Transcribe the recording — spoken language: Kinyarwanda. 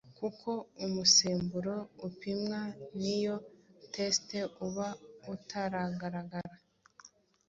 kuko umusemburo upimwa n’iyo test uba utaragaragara